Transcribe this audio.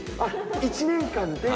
１年間で。